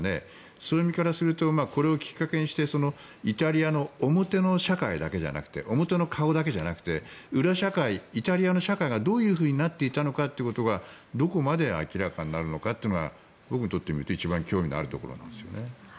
そういう意味からするとこれをきっかけにしてイタリアの表の顔だけじゃなくて裏社会、イタリアの社会がどうなっていたのかということがどこまで明らかになるのかが僕にとってみると一番興味のあるところなんですね。